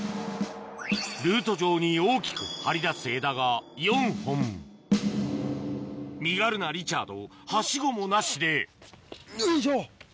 ルート上に大きく張り出す枝が４本身軽なリチャードはしごもなしでよいしょ！